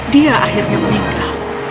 dia akhirnya meninggal